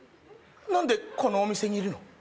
何でこのお店にいるの？